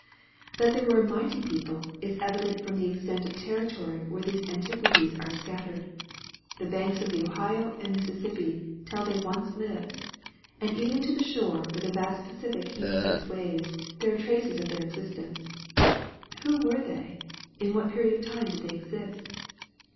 That they were a mighty people is evident from the extent of territory where these antiquities are scattered. The banks of the Ohio and Mississippi tell they once lived; and even to the shore where the vast Pacific heaves its waves, there are traces of their existence. Who were they? In what period of time did they exist?